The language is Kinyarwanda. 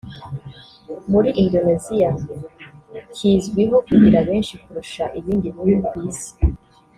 muri Indoneziya kizwiho kugira benshi kurusha ibindi bihugu ku Isi